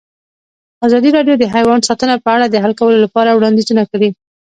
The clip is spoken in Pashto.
ازادي راډیو د حیوان ساتنه په اړه د حل کولو لپاره وړاندیزونه کړي.